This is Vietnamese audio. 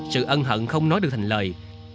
sự ân hận không nói được thành lời